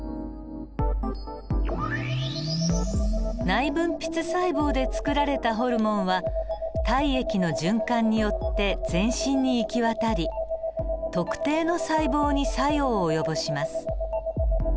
内分泌細胞でつくられたホルモンは体液の循環によって全身に行き渡り特定の細胞に作用を及ぼします。